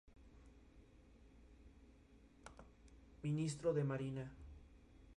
Fue nombrada miembro honorario de la Sociedad de Artistas de St.